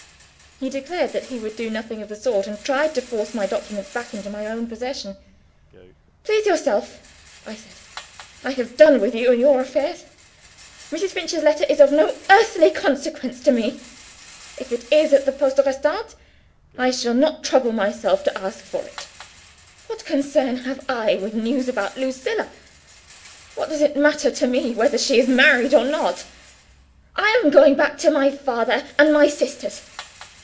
He declared that he would do nothing of the sort and tried to force my documents back into my own possession. "Please yourself," I said. "I have done with you and your affairs. Mrs. Finch's letter is of no earthly consequence to me. If it is at the Poste Restante, I shall not trouble myself to ask for it. What concern have I with news about Lucilla? What does it matter to me whether she is married or not? I am going back to my father and my sisters.